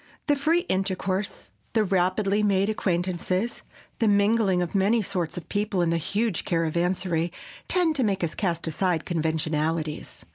The free intercourse, the rapidly made acquaintances, the mingling of many sorts of peoples in the huge caravansary—tend to make us cast aside conventionalities.